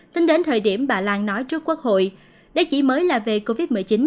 tính đến thời điểm bà loan nói trước quốc hội đếch chỉ mới là về covid một mươi chín